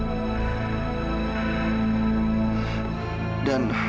ibu mau mempertemukan haris dengan anak haris